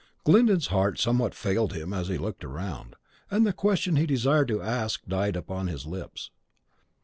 Glyndon's heart somewhat failed him as he looked around, and the question he desired to ask died upon his lips.